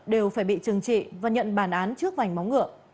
đều phải bị trừng trị và nhận bản án trước vành móng ngựa